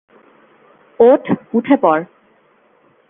ওঠ, উঠে পড়!